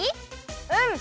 うん！